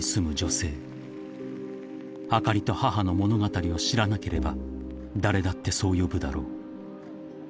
［あかりと母の物語を知らなければ誰だってそう呼ぶだろう］